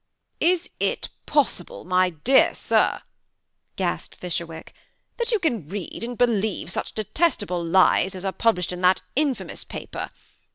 '' "is it possible, my dear sir, ' gasped Fisherwick, " that you can read and believe such detestable lies as are published in that infamous paper